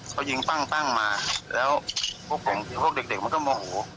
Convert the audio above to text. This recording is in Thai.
เขายิงปั้งมาแล้วพวกเด็กมันก็